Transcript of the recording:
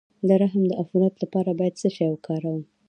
د رحم د عفونت لپاره باید څه شی وکاروم؟